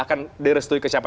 akan direstui ke siapa